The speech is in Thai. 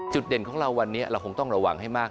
เด่นของเราวันนี้เราคงต้องระวังให้มาก